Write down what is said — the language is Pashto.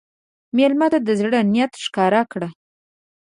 مېلمه ته د زړه نیت ښکاره کړه.